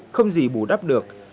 không gì bù đắp được